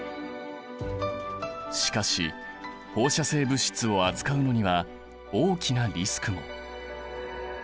しかし放射性物質を扱うのには大きなリスクも。